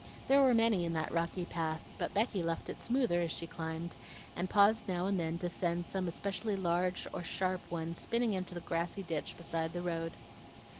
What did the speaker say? There were many in that rocky path, but Becky left it smoother as she climbed, and paused now and then to send some especially sharp or large one spinning into the grassy ditch beside the road.